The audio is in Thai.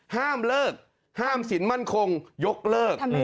ห้ามเลิกห้ามสินมั่นคงยกเลิก